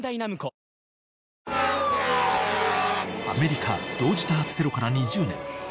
［アメリカ同時多発テロから２０年］